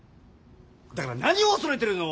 だから何を恐れてるの？